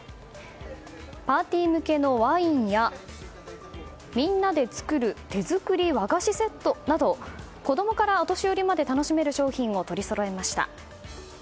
パーティー向けのワインやみんなで作る手作り和菓子セットなど子供からお年寄りまで楽しめる商品を取りそろえました。